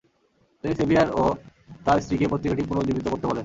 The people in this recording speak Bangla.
তিনি সেভিয়ার ও তার স্ত্রীকে পত্রিকাটি পুনরুজ্জীবিত করতে বলেন।